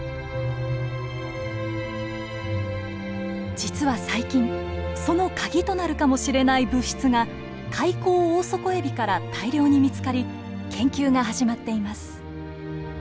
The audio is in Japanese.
実は最近その鍵となるかもしれない物質がカイコウオオソコエビから大量に見つかり研究が始まっています。